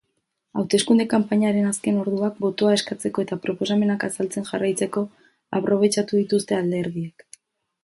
Hauteskunde-kanpainaren azken orduak botoa eskatzeko eta proposamenak azaltzen jarraitzeko aprobetxatu dituzte alderdiek.